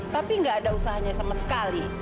tapi nggak ada usahanya sama sekali